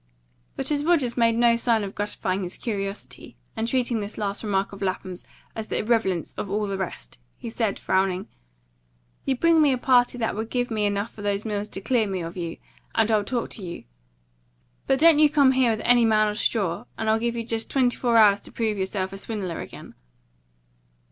But as Rogers made no sign of gratifying his curiosity, and treated this last remark of Lapham's as of the irrelevance of all the rest, he said, frowning, "You bring me a party that will give me enough for those mills to clear me of you, and I'll talk to you. But don't you come here with any man of straw. And I'll give you just twenty four hours to prove yourself a swindler again."